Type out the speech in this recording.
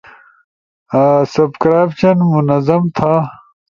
سبکرائبشن منظم تھا